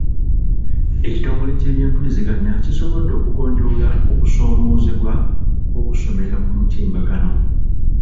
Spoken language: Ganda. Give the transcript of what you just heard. Ekitongole ky'ebyempuliziganya kisobodde okugonjoola okusoomoozebwa kw'okusomera ku mutimbagano